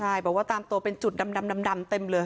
ใช่บอกว่าตามตัวเป็นจุดดำเต็มเลย